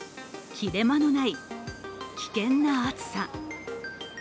切れ間のない危険な暑さ。